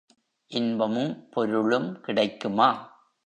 இன்பமும் பொருளும் கிடைக்குமா?